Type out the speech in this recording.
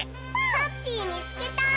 ハッピーみつけた！